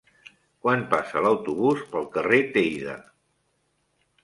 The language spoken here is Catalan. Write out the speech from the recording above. Quan passa l'autobús pel carrer Teide?